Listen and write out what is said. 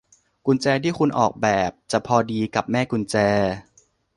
กุญแจที่คุณออกแบบจะพอดีกับแม่กุญแจ